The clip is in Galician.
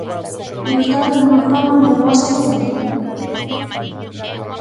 Ilustrar dunha forma fermosa a historia.